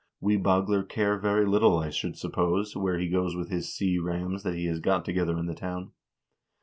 We Bagler care very little, I should suppose, where he goes with his sea rams that he has got together in the town.